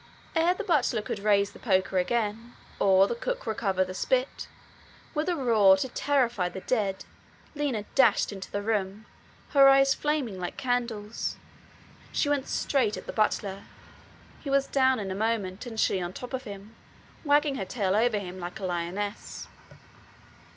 Ere the butler could raise the poker again, or the cook recover the spit, with a roar to terrify the dead, Lina dashed into the room, her eyes flaming like candles. She went straight at the butler. He was down in a moment, and she on the top of him, wagging her tail over him like a lioness.